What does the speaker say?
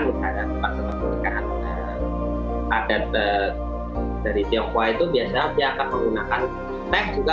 misalnya tempat tempat pernikahan adat dari tionghoa itu biasanya dia akan menggunakan teh juga